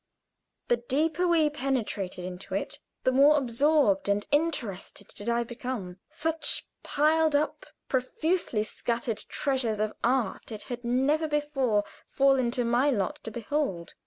The deeper we penetrated into it, the more absorbed and interested did I become. Such piled up, profusely scattered treasures of art it had never before fallen to my lot to behold.